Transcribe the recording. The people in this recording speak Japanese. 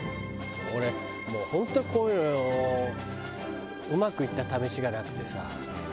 俺もう本当こういうのうまくいった試しがなくてさ。